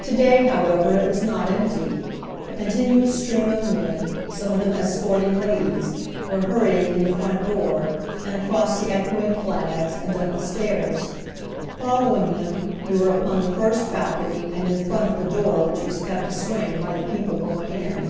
To day, however, it was not empty. A continuous stream of men, some of them escorting ladies, were hurrying in the front door, and across the echoing flags, and up the stairs. Following them, we were upon the first balcony and in front of the door which was kept a swing by the people going in.